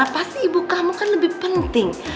pasti ibu kamu kan lebih penting